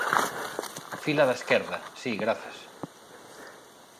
Fila da esquerda, si grazas.